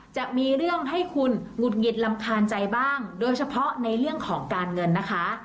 จะมีเรื่องให้คุณหงุดหงิดรำคาญใจบ้างโดยเฉพาะในเรื่องของการเงินนะคะ